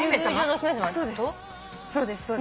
そうです。